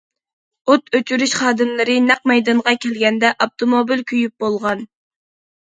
ئوت ئۆچۈرۈش خادىملىرى نەق مەيدانغا كەلگەندە ئاپتوموبىل كۆيۈپ بولغان.